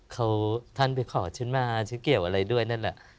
เขาท่านไปขอฉันมาฉันเกี่ยวอะไรด้วยนั่นแหละ